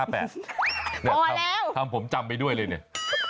พอแล้วนี่คำผมจำไปด้วยเลยเนี่ย